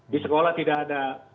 di sekolah tidak ada yang tertular